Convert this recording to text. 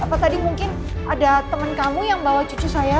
apa tadi mungkin ada temen kamu yang bawa cucu saya